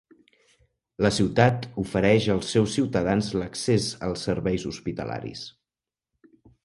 La ciutat ofereix als seus ciutadans l'accés als serveis hospitalaris.